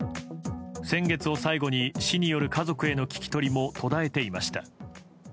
先月を最後に市による家族への聞き取りも途絶えていました。